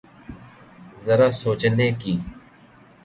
ذرا سوچنے کی۔